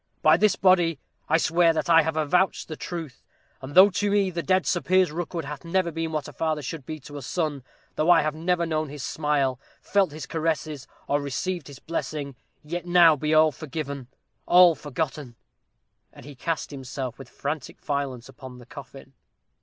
"By this body, I swear that I have avouched the truth and though to me the dead Sir Piers Rookwood hath never been what a father should be to a son though I have never known his smile, felt his caresses, or received his blessing, yet now be all forgiven, all forgotten." And he cast himself with frantic violence upon the coffin.